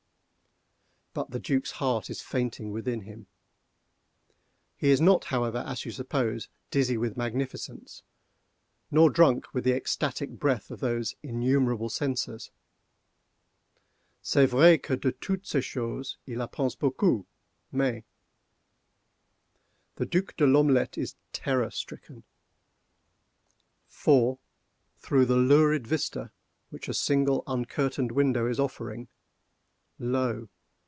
But the Duc's heart is fainting within him. He is not, however, as you suppose, dizzy with magnificence, nor drunk with the ecstatic breath of those innumerable censers. C'est vrai que de toutes ces choses il a pensé beaucoup—mais! The Duc De L'Omelette is terror stricken; for, through the lurid vista which a single uncurtained window is affording, lo!